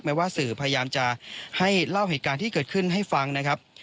ว่าสื่อพยายามจะให้เล่าเหตุการณ์ที่เกิดขึ้นให้ฟังนะครับ